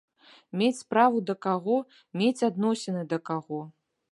Мець справу да каго, мець адносіны да каго.